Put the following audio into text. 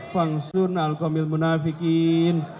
fangsurna ala'lkomil munafikin